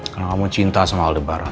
karena kamu cinta sama aldebaran